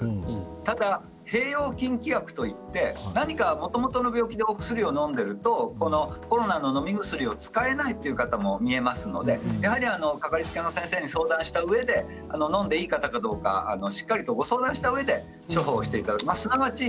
ただ併用禁忌薬といってなにか、もともとの病気の薬を持っていてコロナの、のみ薬を使えないという方もいますのでやはり掛かりつけの先生に相談したうえでのんでいいかどうかしっかりと相談したうえで処方していただかなければいけません。